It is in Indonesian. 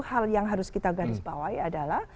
hal yang harus kita garisbawahi adalah